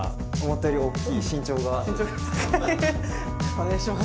お願いします。